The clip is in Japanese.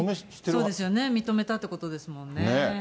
そうですよね、認めたってことですよね。